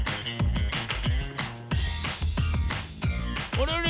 あれあれ？